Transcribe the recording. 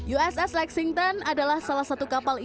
uss lexington adalah salah satu kapal